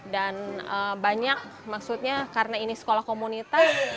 dan banyak maksudnya karena ini sekolah komunitas